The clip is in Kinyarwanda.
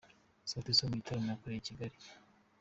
Sauti Sol mu gitaramo bakoreye i Kigali.